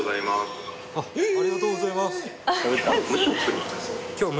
ありがとうございます。